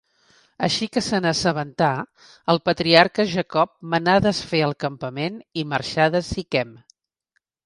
Així que se n'assabentà, el patriarca Jacob manà desfer el campament i marxar de Siquem.